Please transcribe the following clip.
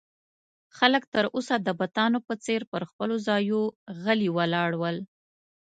خلک تر اوسه د بتانو په څېر پر خپلو ځایو غلي ولاړ ول.